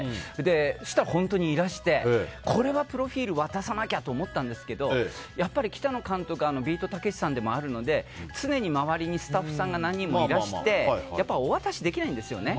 そしたら、本当にいらしてプロフィール渡さなきゃって思ったんですがやっぱり北野監督はビートたけしさんでもあるので周りにスタッフさんがいらっしゃるのでお渡しできないんですね。